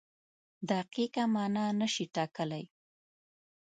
دقیقه مانا نشي ټاکلی.